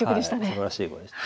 すばらしい碁でした。